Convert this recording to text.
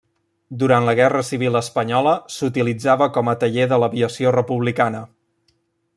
Durant la Guerra Civil espanyola s'utilitzava com a taller de l'aviació republicana.